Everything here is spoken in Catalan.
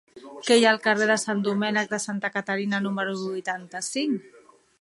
Què hi ha al carrer de Sant Domènec de Santa Caterina número vuitanta-cinc?